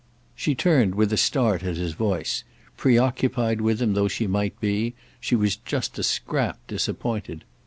She turned with a start at his voice; preoccupied with him though she might be, she was just a scrap disappointed.